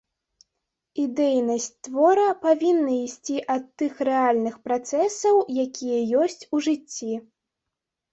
Ідэйнасць твора павінна ісці ад тых рэальных працэсаў, якія ёсць у жыцці.